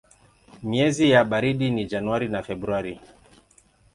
Miezi ya baridi ni Januari na Februari.